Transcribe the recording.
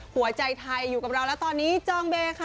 หัวใจไทยอยู่กับเราแล้วตอนนี้จองเบย์ค่ะ